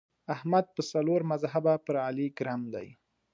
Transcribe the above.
احمد په څلور مذهبه پر علي ګرم دی.